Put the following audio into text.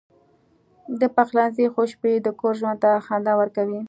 د پخلنځي خوشبويي د کور ژوند ته خندا ورکوي.